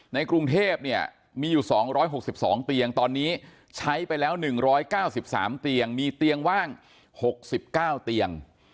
กรุงเทพเนี่ยมีอยู่๒๖๒เตียงตอนนี้ใช้ไปแล้ว๑๙๓เตียงมีเตียงว่าง๖๙เตียง